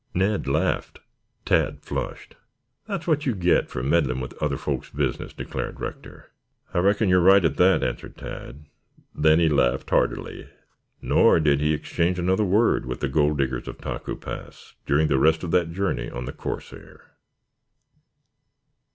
Ned laughed; Tad flushed. "That's what you get for meddling with other folks' business," declared Rector. "I reckon you are right at that," answered Tad. Then he laughed heartily. Nor did he exchange another word with the Gold Diggers of Taku Pass during the rest of that journey on the "Corsair."